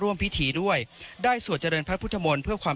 ร่วมพิธีด้วยได้สวดเจริญพระพุทธมนตร์เพื่อความ